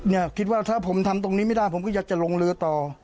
คิดว่าถ้าผมทำตรงนี้ไม่ได้ผมก็อยากจะลงเรือต่อ